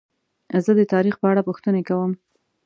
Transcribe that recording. زه د تاریخ په اړه پوښتنې کوم.